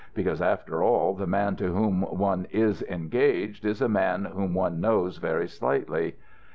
Because, after all, the man to whom one is engaged is a man whom one knows very slightly."